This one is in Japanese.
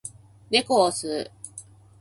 猫を吸う